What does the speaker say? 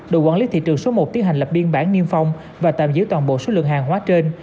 đội quản lý thị trường số một tiến hành lập biên bản niêm phong và tạm giữ toàn bộ số lượng hàng hóa trên